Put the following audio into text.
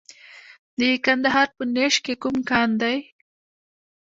د کندهار په نیش کې کوم کان دی؟